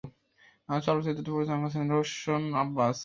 চলচ্চিত্রটি পরিচালনা করেছেন রোশন আব্বাস।